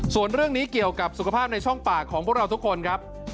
ส่วนเรื่องนี้เกี่ยวกับสุขภาพในช่องปากของพวกเราทุกคนครับ